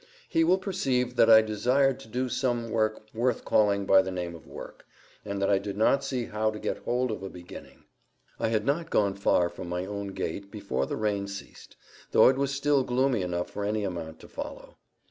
He will perceive that I desired to do some work worth calling by the name of work, and that I did not see how to get hold of a beginning. I had not gone far from my own gate before the rain ceased, though it was still gloomy enough for any amount to follow.